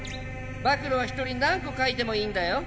暴露は一人何個書いてもいいんだよ。